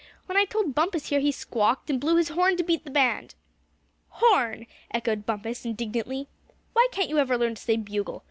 When I told Bumpus here he squawked, and blew his horn to beat the band." "Horn!" echoed Bumpus, indignantly; "why can't you ever learn to say bugle.